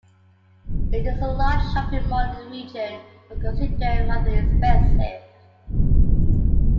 It is a large shopping mall in the region, but considered rather expensive.